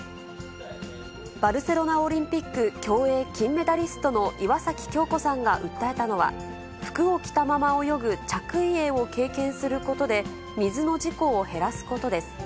バルセロナオリンピック競泳金メダリストの岩崎恭子さんが訴えたのは、服を着たまま泳ぐ着衣泳を経験することで水の事故を減らすことです。